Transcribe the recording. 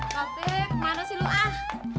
kak pip mana si luah